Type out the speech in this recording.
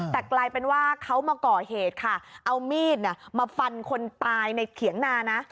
แต่กลายเป็นว่าเขามาก่อเหตุค่ะเอามีดมาฟันคนตายในเขียงนานะ